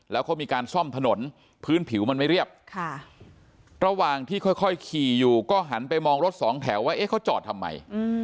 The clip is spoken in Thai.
แล้วเขามีการซ่อมถนนพื้นผิวมันไม่เรียบระหว่างที่ค่อยขี่อยู่ก็หันไปมองรถสองแถวว่าเขาจอดทำไม